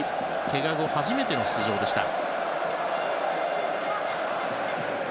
けが後、初めての出場でした。